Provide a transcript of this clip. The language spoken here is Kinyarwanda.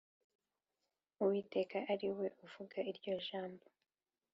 Uwiteka ari we uvuze iryo jambo